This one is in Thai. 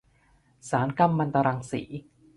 สารกัมมันตรังสี